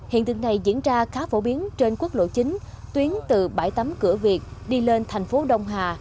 hiện tượng này diễn ra khá phổ biến trên quốc lộ chín tuyến từ bãi tắm cửa việt đi lên thành phố đông hà